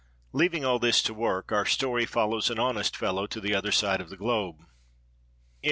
Leaving all this to work, our story follows an honest fellow to the other side of the globe. CHAPTER XXXVI.